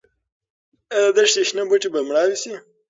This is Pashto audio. ايا د دښتې شنه بوټي به مړاوي شي؟